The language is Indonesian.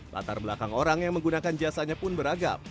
latar belakang orang yang menggunakan jasanya pun beragam